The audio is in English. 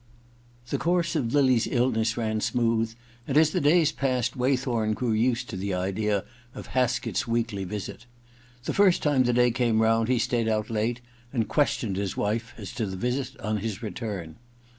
•••.•• The course of Lily's illness ran smooth, and as the days passed Waythorn grew used to the idea of Haskett's weekly visit The first time the day came round, he stayed out late, and questioned his wife as to the visit on his return.